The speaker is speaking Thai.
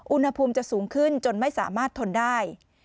อุณหภูมิจะสูงขึ้นจนไม่สามารถทนได้